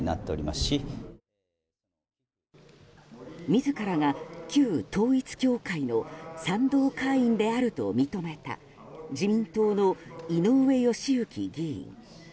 自らが、旧統一教会の賛同会員であると認めた自民党の井上義行議員。